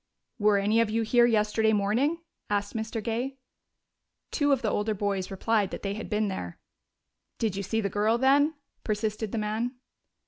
"Were any of you here yesterday morning?" asked Mr. Gay. Two of the older boys replied that they had been there. "Did you see the girl then?" persisted the man.